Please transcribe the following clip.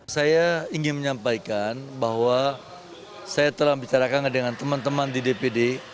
saya ingin menyampaikan bahwa saya telah bicarakan dengan teman teman di dpd